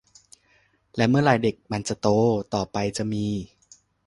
แล้วเมื่อไหร่เด็กมันจะโต ต่อไปจะมี